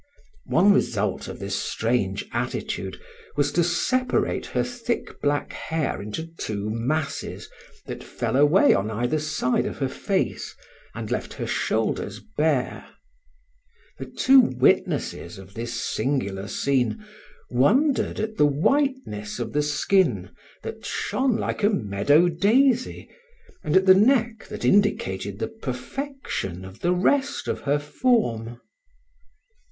One result of this strange attitude was to separate her thick black hair into two masses, that fell away on either side of her face and left her shoulders bare; the two witnesses of this singular scene wondered at the whiteness of the skin that shone like a meadow daisy, and at the neck that indicated the perfection of the rest of her form.